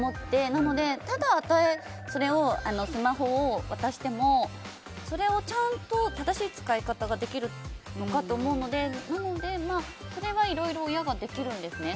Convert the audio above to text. なので、ただスマホを渡してもそれをちゃんと正しい使い方ができるのかと思うのでそれは、いろいろ親ができるんですね。